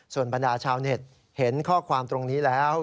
ส่วนบรรดาชาวเน็ตเห็นข้อความตรงนี้แล้ว